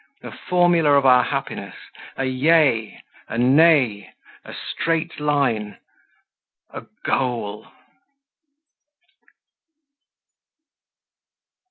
The formula of our happiness: a Yea, a Nay, a straight line, a goal....